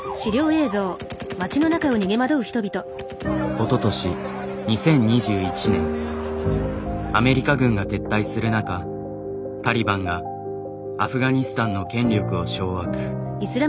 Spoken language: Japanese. おととし２０２１年アメリカ軍が撤退する中タリバンがアフガニスタンの権力を掌握。